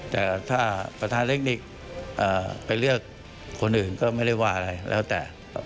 แต่ถ้าประธานเทคนิคไปเลือกคนอื่นก็ไม่ได้ว่าอะไรแล้วแต่